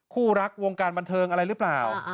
คู่รักวงการบันเทิงอะไรหรือเปล่า